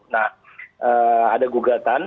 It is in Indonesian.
nah ada gugatan